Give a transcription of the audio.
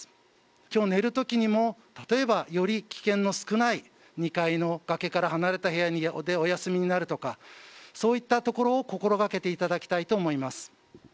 きょう寝るときにも、例えば、より危険の少ない２階の崖から離れた部屋でお休みになるとか、そういったところを心がけていただきたいと思います。